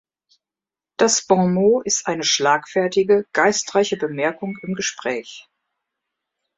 Das Bonmot ist die schlagfertige, geistreiche Bemerkung im Gespräch.